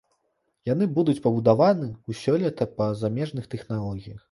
Яны будуць пабудаваны ў сёлета па замежных тэхналогіях.